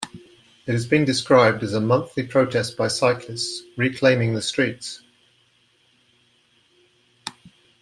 It has been described as a monthly protest by cyclists reclaiming the streets.